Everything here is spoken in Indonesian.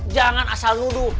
jangan asal nuduh